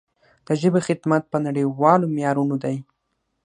د ژبې خدمت په نړیوالو معیارونو دی.